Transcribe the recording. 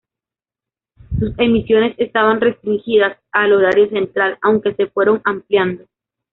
Sus emisiones estaban restringidas al horario central, aunque se fueron ampliando.